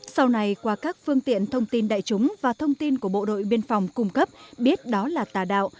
sau này qua các phương tiện thông tin đại chúng và thông tin của bộ đội biên phòng cung cấp biết đó là tà đạo